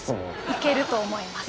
いけると思います。